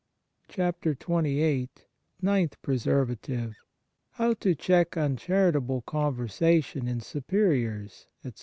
66 XXVIII NINTH PRESERVATIVE How to check uncharitable conversation in superiors, etc.